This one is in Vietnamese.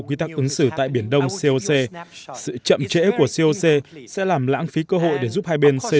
quy tắc ứng xử tại biển đông coc sự chậm trễ của coc sẽ làm lãng phí cơ hội để giúp hai bên xây